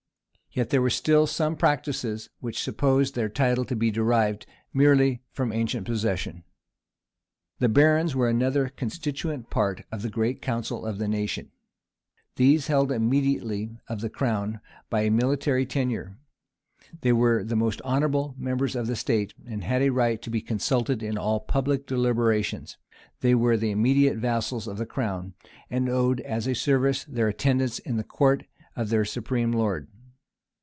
Yet there still remained some practices, which supposed their title to be derived merely from ancient possession. The barons were another constituent part of the great council of the nation These held immediately of the crown by a military tenure: they were the most honorable members of the state, and had a right to be consulted in all public deliberations: they were the immediate vassals of the crown, and owed as a service their attendance in the court of their supreme lord.